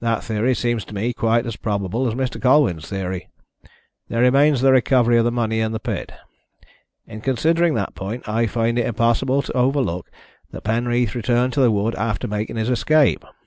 That theory seems to me quite as probable as Mr. Colwyn's theory. There remains the recovery of the money in the pit. In considering that point I find it impossible to overlook that Penreath returned to the wood after making his escape.